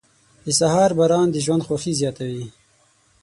• د سهار باران د ژوند خوښي زیاتوي.